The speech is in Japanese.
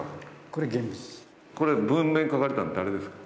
これは文面書かれたの誰ですか？